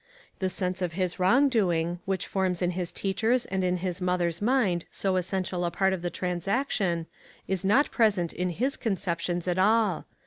The sense of his wrong doing, which forms in his teacher's and in his mother's mind so essential a part of the transaction, is not present in his conceptions at all.